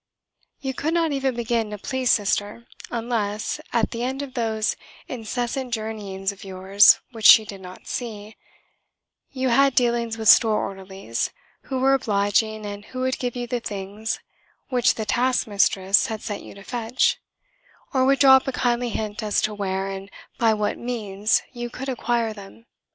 You could not even begin to please Sister unless, at the end of those incessant journeyings of yours which she did not see, you had dealings with store orderlies who were obliging and who would give you the things which the taskmistress had sent you to fetch (or would drop a kindly hint as to where and by what means you could acquire them).